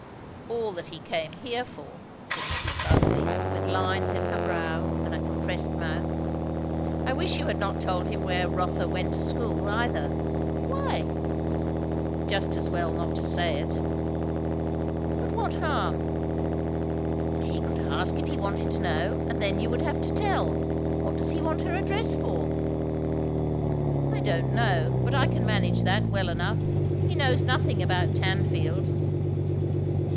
"All that he came here for," said Mrs. Busby, with lines in her brow and a compressed mouth. "I wish you had not told him where Rotha went to school, either." "Why?" "Just as well not to say it." "But what harm? He could ask, if he wanted to know; and then you would have to tell. What does he want her address for?" "I don't know; but I can manage that, well enough. He knows nothing about Tanfield."